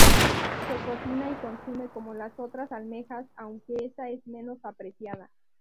Se cocina y consume como las otras almejas, aunque esta es menos apreciada.